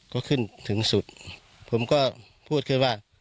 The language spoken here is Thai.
ลุงพลก็พูดคือว่า